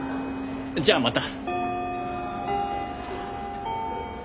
じゃあまた。